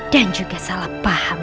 dan juga salah paham